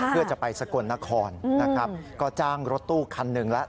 เพื่อจะไปสกลนครนะครับก็จ้างรถตู้คันหนึ่งแล้ว